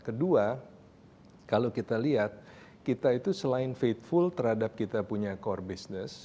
kedua kalau kita lihat kita itu selain faithful terhadap kita punya core business